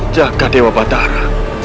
jaga dewa batara